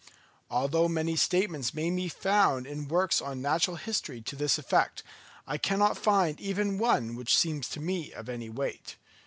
Although many statements may be found in works on natural history to this effect, I cannot find even one which seems to me of any weight.